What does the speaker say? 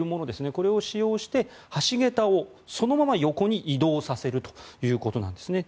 これを使用して、橋桁をそのまま横に移動させるということです。